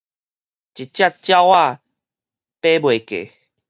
一隻鳥仔飛袂過